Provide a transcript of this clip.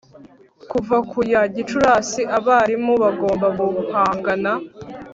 kuva ku ya Gicurasi abarimu bagomba guhangana